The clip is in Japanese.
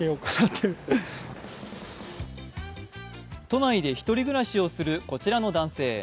都内で１人暮らしをするこちらの男性。